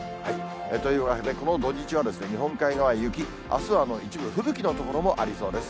というわけでこの土日は、日本海側は雪、あすは一部、吹雪の所もありそうです。